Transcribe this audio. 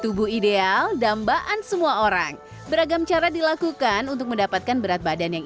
tubuh ideal dambaan semua orang beragam cara dilakukan untuk mendapatkan berat badan yang